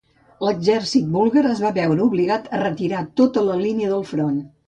L'exèrcit búlgar es va veure obligat a retirar tota la línia del front.